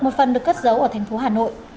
một phần được cất giấu ở thành phố hà nội